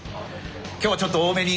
今日はちょっと多めに。